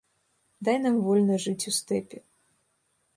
Дай нам вольна жыць у стэпе.